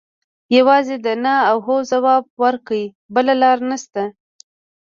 یوازې د نه او هو ځواب ورکړي بله لاره نشته.